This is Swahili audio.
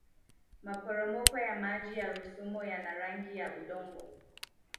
maporomoko ya maji ya rusumo yana rangi ya udongo